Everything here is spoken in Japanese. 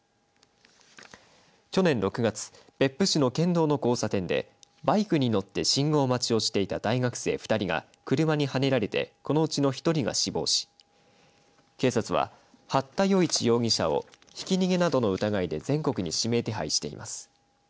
去年６月別府市の県道の交差点でバイクに乗って信号待ちをしていた大学生２人が車にはねられてこのうちの１人が死亡し警察は八田與一容疑者をひき逃げなどの疑いで全国に指名手配しています。